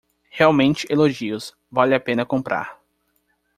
Realmente elogios, vale a pena comprar